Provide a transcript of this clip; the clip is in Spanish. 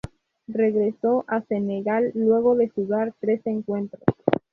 Regresó a Senegal luego de jugar tres encuentros.